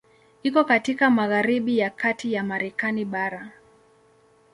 Iko katika magharibi ya kati ya Marekani bara.